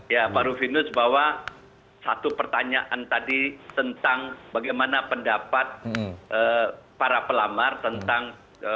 ya pak rufinus bahwa satu pertanyaan tadi tentang bagaimana pendapat para pelamar tentang